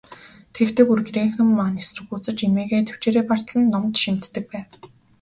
Тэгэхдээ, бүр гэрийнхэн маань эсэргүүцэж, эмээгээ тэвчээрээ бартал нь номд шимтдэг байв.